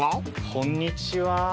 こんにちは。